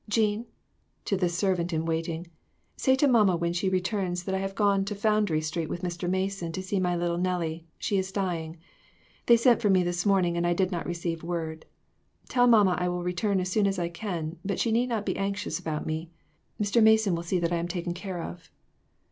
Jean," to the servant in waiting, "say to mamma when she returns that I have gone to Foundry Street with Mr. Mason to see my little Nellie; she is dying. They sent for me this morning and I did not receive the word. Tell mamma I will return as soon as I can, but she need not be anx ious about me ; Mr. Mason will see that I am taken care of."